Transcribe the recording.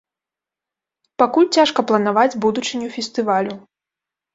Пакуль цяжка планаваць будучыню фестывалю.